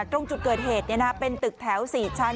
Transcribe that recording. ตรงจุดเกิดเหตุเป็นตึกแถว๔ชั้น